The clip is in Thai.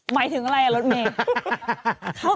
ไหมถึงอะไรรถเมล์